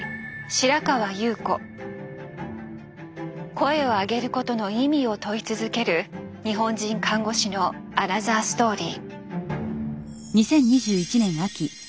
「声を上げる」ことの意味を問い続ける日本人看護師のアナザーストーリー。